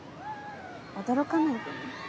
驚かないでね。